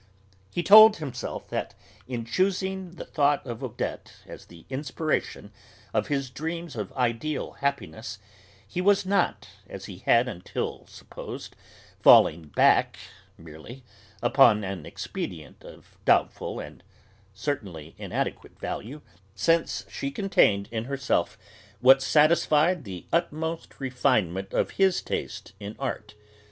He told himself that, in choosing the thought of Odette as the inspiration of his dreams of ideal happiness, he was not, as he had until then supposed, falling back, merely, upon an expedient of doubtful and certainly inadequate value, since she contained in herself what satisfied the utmost refinement of his taste in art.